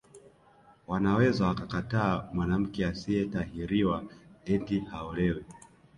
Wanaweza wakakataa mwanamke asiyetahiriwa eti haolewi